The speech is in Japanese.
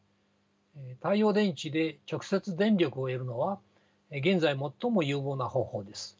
太陽電池で直接電力を得るのは現在最も有望な方法です。